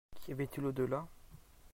Qu'y avait-il au déla?